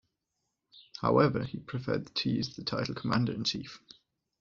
However, he preferred to use the title Commander-in-Chief.